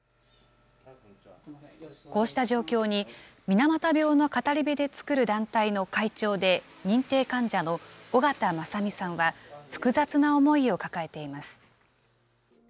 こうした状況に、水俣病の語り部で作る団体の会長で、認定患者の緒方正実さんは、複雑な思いを抱えています。